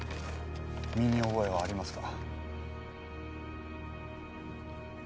身に覚えはありますか？